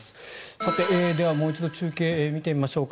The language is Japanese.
さて、ではもう一度中継を見てみましょうか。